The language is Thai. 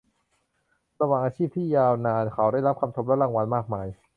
ระหว่างอาชีพที่ยาวนานเขาได้รับคำชมและรางวัลมากมาย